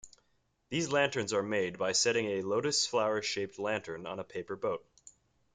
These lanterns are made by setting a lotus flower-shaped lantern on a paper boat.